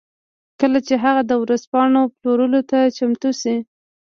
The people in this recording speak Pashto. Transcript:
کله چې هغه د ورځپاڼو پلورلو ته چمتو شي